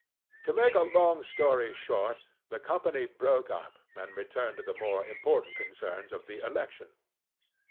To make a long story short, the company broke up, and returned to the more important concerns of the election.